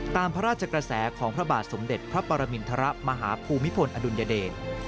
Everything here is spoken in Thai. ตามพระราชกระแสของพระบาทสมเด็จพระปรมินทรมาฮภูมิพลอดุลยเดช